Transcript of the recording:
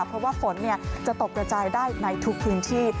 เพราะว่าฝนจะตกกระจายได้ในทุกพื้นที่